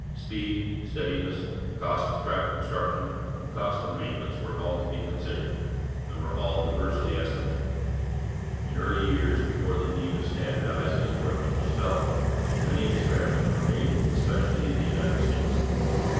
Speed, steadiness, cost of track construction, and cost of maintenance were all to be considered, and were all diversely estimated. In early years, before the need of standardizing equipment was felt, many experiments were made, especially in the United States.